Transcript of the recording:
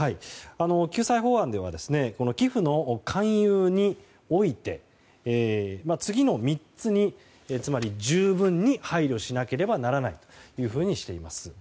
救済法案では寄付の勧誘において次の３つに、つまり十分に配慮しなければならないというふうにしています。